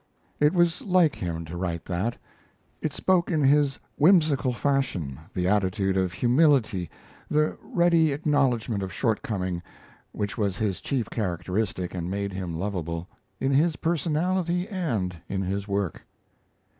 It was like him to write that. It spoke in his whimsical fashion the attitude of humility, the ready acknowledgment of shortcoming, which was his chief characteristic and made him lovable in his personality and in his work.